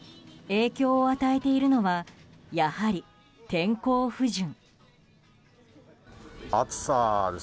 影響を与えているのはやはり天候不順。